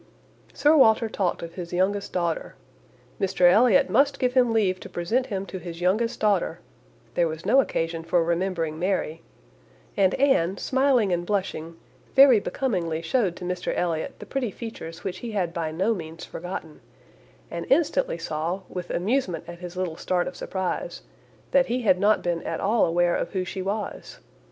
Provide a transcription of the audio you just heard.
Sir Walter talked of his youngest daughter; "Mr Elliot must give him leave to present him to his youngest daughter" (there was no occasion for remembering Mary); and Anne, smiling and blushing, very becomingly shewed to Mr Elliot the pretty features which he had by no means forgotten, and instantly saw, with amusement at his little start of surprise, that he had not been at all aware of who she was.